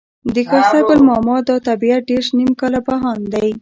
د ښایسته ګل ماما دا طبيعت دېرش نيم کاله بهاند دی.